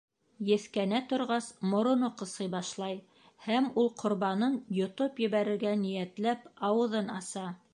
Еҫкәнә торғас, мороно ҡысый башлай һәм ул, ҡорбанын йотоп ебәрергә ниәтләп, ауыҙын аса.